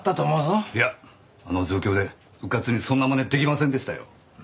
いやあの状況でうかつにそんなまねできませんでしたよ。